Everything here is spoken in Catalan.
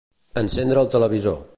Encendre el televisor.